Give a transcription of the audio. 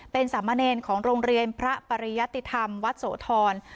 เป็นสามเณรของโรงเรียนพระปริยติธรรมวัดโสธร